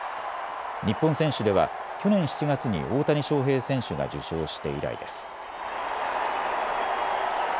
日本選手では去年７月に大谷翔平選手が受賞して以来です。